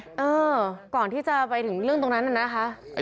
เออก่อนที่จะไปถึงเรื่องตรงนั้นน่ะนะคะ